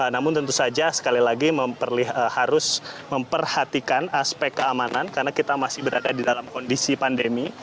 namun tentu saja sekali lagi harus memperhatikan aspek keamanan karena kita masih berada di dalam kondisi pandemi